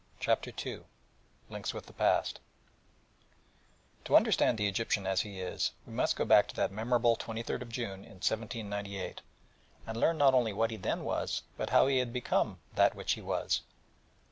CHAPTER II LINKS WITH THE PAST To understand the Egyptian as he is, we must go back to that memorable 23rd of June in 1798, and learn not only what he then was, but how he had become that which he was.